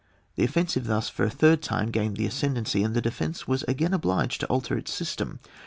The offensive thus, for a third time, •grained the ascendancy, and the defence was again obliged to alter its system.